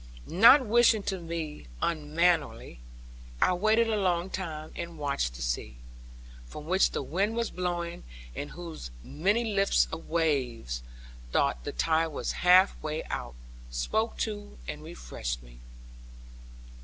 Not wishing to be unmannerly, I waited a long time, and watched the sea, from which the wind was blowing; and whose many lips of waves though the tide was half way out spoke to and refreshed me.